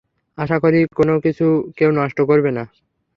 আশা করি, কোনও কিছু কেউ নষ্ট করবে না।